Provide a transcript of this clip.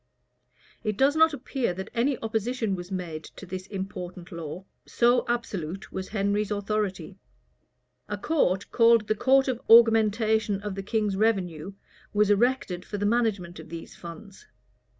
[] It does not appear that any opposition was made to this important law: so absolute was Henry's authority[] A court, called the court of augmentation of the king's revenue, was erected for the management of these funds.